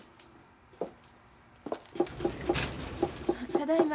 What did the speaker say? ただいま。